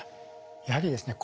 やはりですね